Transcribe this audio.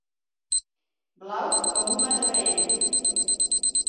Blau com un mataparent.